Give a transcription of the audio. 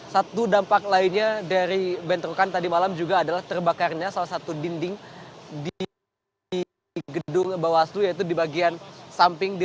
satu dampak lainnya dari bentrokan tadi malam juga adalah terbakarnya salah satu dinding di gedung bawaslu yaitu di bagian samping